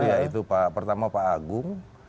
yaitu pertama pak agung